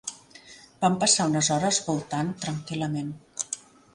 Vam passar unes hores voltant tranquil·lament.